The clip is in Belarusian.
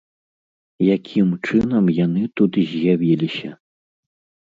Якім чынам яны тут з'явіліся?